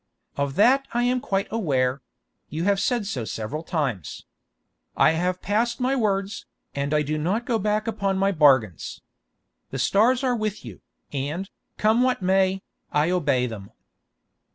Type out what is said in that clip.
"Of that I am quite aware—you have said so several times. I have passed my words, and I do not go back upon my bargains. The stars are with you, and, come what may, I obey them."